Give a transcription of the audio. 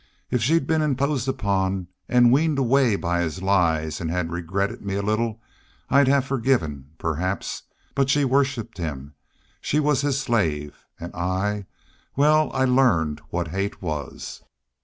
If she'd been imposed upon an' weaned away by his lies an' had regretted me a little I'd have forgiven, perhaps. But she worshiped him. She was his slave. An' I, wal, I learned what hate was.